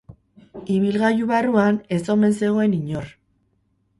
Ibilgailu barruan ez omen zegoen inor.